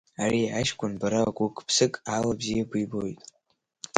Ари аҷкәын бара гәык-ԥсык ала бзиа бибоит.